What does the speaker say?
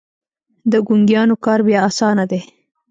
د ګونګيانو کار بيا اسانه دی.